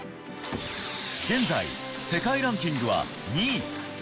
現在、世界ランキングは２位。